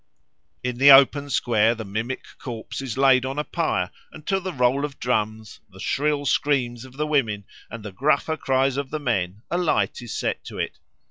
In the open square the mimic corpse is laid on a pyre, and to the roll of drums, the shrill screams of the women, and the gruffer cries of the men a light is set to it.